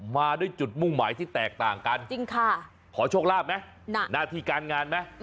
มาด้วยจุดมุ่งหมายที่แตกต่างกันจริงค่ะขอโชคลาภไหมหน้าที่การงานไหม